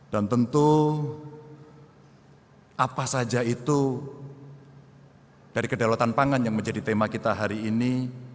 tentu apa saja itu dari kedaulatan pangan yang menjadi tema kita hari ini